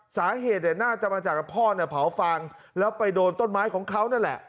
สาเหตุน่าจะมาจากพ่อเนี่ยเผาฟางแล้วไปโดนต้นไม้ของเขานั่นแหละ